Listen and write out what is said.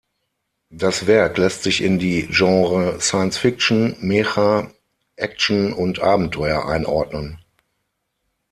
Das Werk lässt sich in die Genre Science Fiction, Mecha, Action und Abenteuer einordnen.